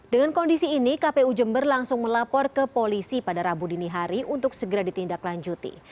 dengan kondisi ini kpu jember langsung melapor ke polisi pada rabu dini hari untuk segera ditindaklanjuti